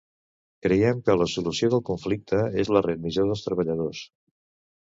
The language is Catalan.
Creiem que la solució del conflicte és la readmissió dels treballadors.